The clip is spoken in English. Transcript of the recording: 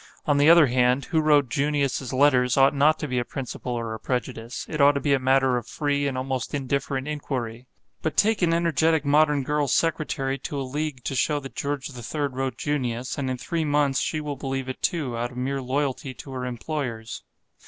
On the other hand, who wrote Junius's Letters ought not to be a principle or a prejudice, it ought to be a matter of free and almost indifferent inquiry. But take an energetic modern girl secretary to a league to show that George III wrote Junius, and in three months she will believe it, too, out of mere loyalty to her employers.